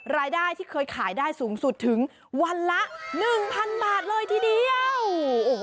รายได้ที่เคยขายได้สูงสุดถึงวันละ๑๐๐๐บาทเลยทีเดียว